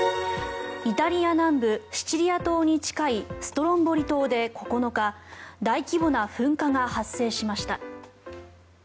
イタリア南部シチリア島に近いストロンボリ島で９日大規模な噴火が発生しました。